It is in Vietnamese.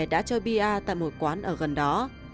đã chơi pa tại một quán ở gần đó